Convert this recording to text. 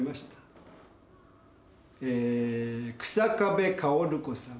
えー日下部薫子さん。